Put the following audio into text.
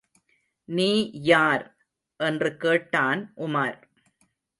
நீ யார்? என்று கேட்டான் உமார்.